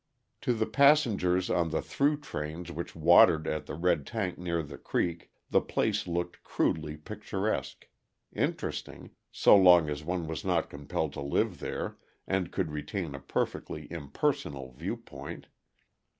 To the passengers on the through trains which watered at the red tank near the creek, the place looked crudely picturesque interesting, so long as one was not compelled to live there and could retain a perfectly impersonal viewpoint.